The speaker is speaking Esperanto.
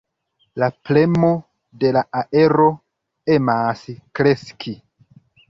La premo de la aero emas kreski.